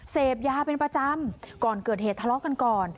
เสพยาเป็นประจำก่อนเกิดเหตุทะเลาะกันก่อน